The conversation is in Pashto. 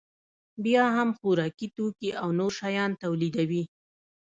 بیا هم خوراکي توکي او نور شیان تولیدوي